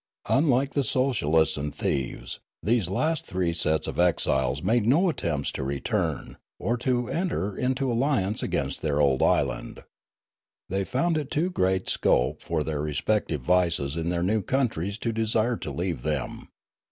Unlike the socialists and thieves, these 4IO Riallaro last three sets of exiles made no attempts to return, or to enter into alliance against their old island. They found too great scope for their respective vices in their new countries to desire to leave them.